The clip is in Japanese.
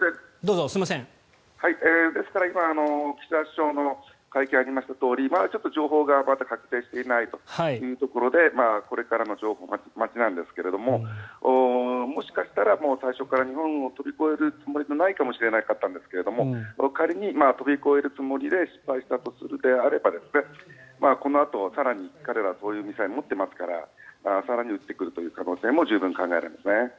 ですから、今、岸田首相の会見がありましたとおりちょっと情報がまだ確定していないというところでこれからの情報待ちなんですがもしかしたら最初から日本を飛び越えるつもりじゃなかったかもしれないですが仮に飛び越えるつもりで失敗したということであればこのあと更に、彼らはそういうミサイルを持ってますから更に撃ってくる可能性も十分考えられます。